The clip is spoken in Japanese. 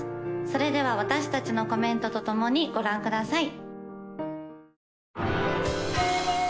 それでは私達のコメントとともにご覧ください